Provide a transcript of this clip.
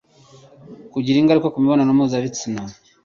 Kugira ingaruka ku mibonano mpuzabitsa